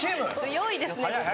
強いですね。